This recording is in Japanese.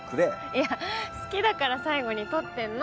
いや好きだから最後に取ってるの。